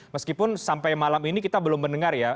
meskipun sampai malam ini kita belum mendengar ya